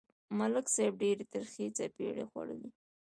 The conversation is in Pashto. ملک صاحب ډېرې ترخې څپېړې خوړلې.